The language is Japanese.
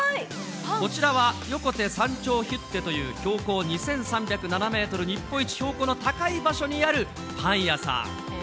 こちらは横手山頂ヒュッテという標高２３０７メートル、日本一標高の高い場所にあるパン屋さん。